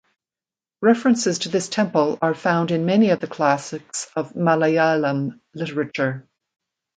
References to this temple are found in many of the classics of Malayalam Literature.